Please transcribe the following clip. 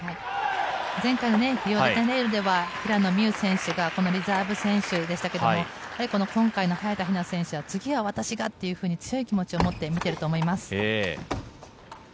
前回のリオデジャネイロでは美宇選手がリザーブ選手でしたけど、今回の早田ひな選手は次は私がというふうに強い気持ちを持って見ていると思います。